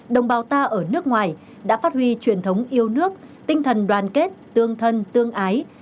đồng bào ta ở nước ngoài đã phát huy truyền thống yêu nước tinh thần đoàn kết tương thân tương ái